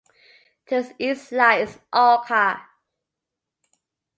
To its east lies Olca.